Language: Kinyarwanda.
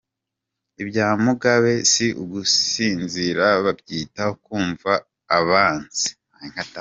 Ibya Mugabe si ugusinzira, babyita kumva abanzi.